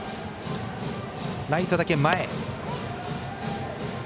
ライトだけ前。